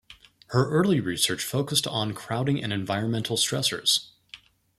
Her early research focused on crowding and environmental stressors.